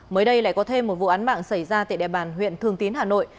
mới đây lại có thêm một vụ án mạng xảy ra tại đại bàn huyện thương tín hà nội